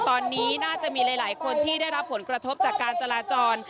ตอนนี้น่าจะมีหลายคนที่ได้รับผลกระทบจากการจราจร